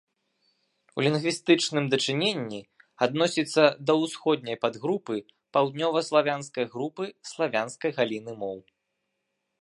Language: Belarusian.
У лінгвістычным дачыненні адносіцца да ўсходняй падгрупы паўднёваславянскай групы славянскай галіны моў.